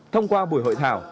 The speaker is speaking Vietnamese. thông qua buổi hội thảo